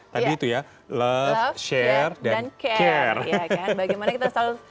tadi itu ya love share dan care ya kan bagaimana kita selalu